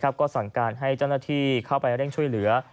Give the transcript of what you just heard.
ก็สั่งการให้เจ้าหน้าที่เข้าไปเร่งช่วยเหลือ